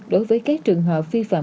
đối với các trường hợp vi phạm